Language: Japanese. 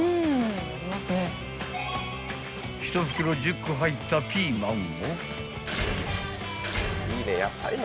［１袋１０個入ったピーマンを］